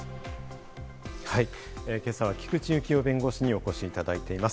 今朝は菊地幸夫弁護士にお越しいただいています。